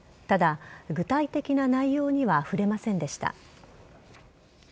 ただ、具体的な内容には触れませんでした。